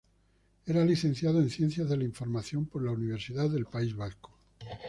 Era licenciado en Ciencias de la Información por la Universidad del País Vasco.